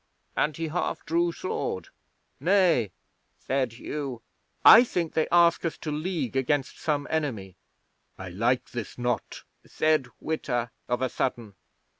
and he half drew sword. '"Nay," said Hugh. "I think they ask us to league against some enemy." '"I like this not," said Witta, of a sudden.